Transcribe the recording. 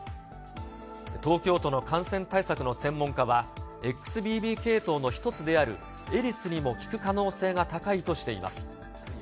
東京都の感染対策の専門家は、ＸＢＢ系統の一つであるエリスにも効く可能性が高いとしています。